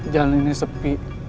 jalan ini sepi